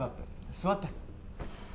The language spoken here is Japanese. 座って。